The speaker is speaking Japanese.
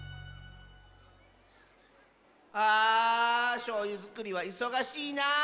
あしょうゆづくりはいそがしいなあ。